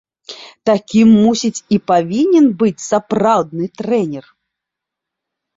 Такім, мусіць, і павінен быць сапраўдны трэнер!!!